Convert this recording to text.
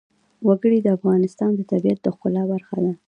وګړي د افغانستان د طبیعت د ښکلا برخه ده.